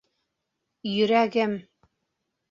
Йөрәгем...